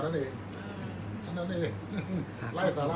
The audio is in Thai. อันไหนที่มันไม่จริงแล้วอาจารย์อยากพูด